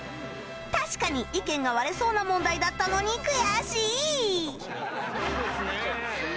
確かに意見が割れそうな問題だったのに悔しい！